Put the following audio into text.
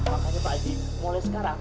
makanya pak haji mulai sekarang